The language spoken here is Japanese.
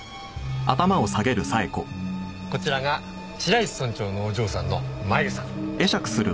こちらが白石村長のお嬢さんの麻由さん。